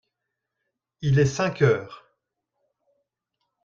il est cinq heures.